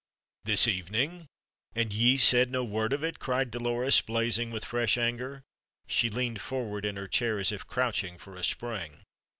"This evening! And ye said no word of it?" cried Dolores, blazing with fresh anger. She leaned forward in her chair as if crouching for a spring.